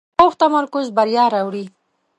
پوخ تمرکز بریا راوړي